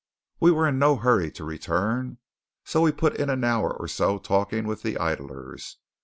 We were in no hurry to return, so we put in an hour or so talking with the idlers.